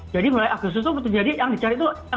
jadi mulai agus itu betul betul yang dicari itu